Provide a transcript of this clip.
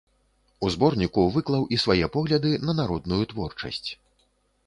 У зборніку выклаў і свае погляды на народную творчасць.